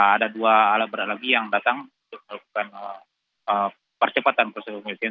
ada dua alat berat lagi yang datang untuk melakukan percepatan proses pengungsian